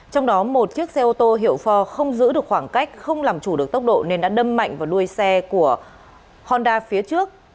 trong đó một chiếc xe ô tô hiệu phò không giữ được khoảng cách không làm chủ được tốc độ nên đã đâm mạnh vào đuôi xe của honda phía trước